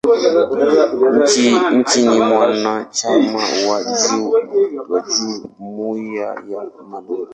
Nchi ni mwanachama wa Jumuia ya Madola.